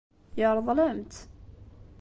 Yeṛḍel-am-tt.